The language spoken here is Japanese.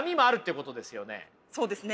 そうですね。